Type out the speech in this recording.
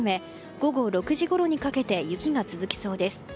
午後６時ごろにかけて雪が続きそうです。